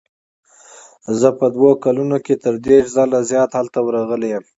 زه په دوو کلونو کې تر دېرش ځله زیات هلته ورغلی یم.